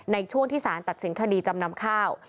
ในช่วงที่สารตัดสินคดีจำนำข้าว